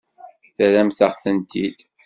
Terramt-aɣ-tent-id.